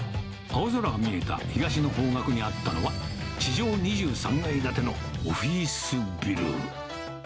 青空が見えた東の方角にあったのは、地上２３階建てのオフィスビル。